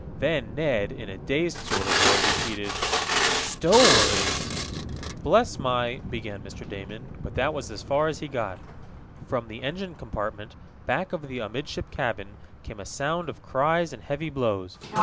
Then Ned, in a dazed sort of way, repeated: "Stowaways!" "Bless my " began Mr. Damon, but that was as far as he got. From the engine compartment, back of the amidship cabin, came a sound of cries and heavy blows.